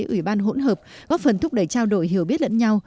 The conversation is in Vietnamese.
ủy ban hỗn hợp góp phần thúc đẩy trao đổi hiểu biết lẫn nhau